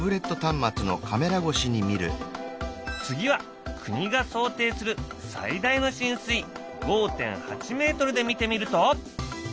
次は国が想定する最大の浸水５．８メートルで見てみると。